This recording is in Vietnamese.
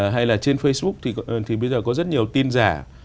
hay là trên facebook thì bây giờ có rất nhiều tin giả